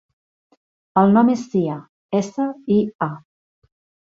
El nom és Sia: essa, i, a.